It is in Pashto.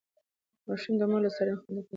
ماشوم د مور له څارنې خوندي پاتې کېږي.